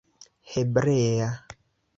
hebrea